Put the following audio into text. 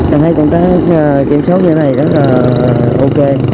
em thấy công tác kiểm soát như thế này rất là ok